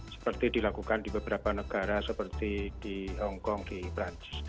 seperti dilakukan di beberapa negara seperti di hongkong di perancis